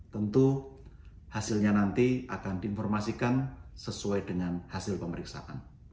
tentu hasilnya nanti akan diinformasikan sesuai dengan hasil pemeriksaan